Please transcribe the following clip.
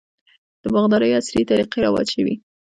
د باغدارۍ عصري طریقې رواج شوي.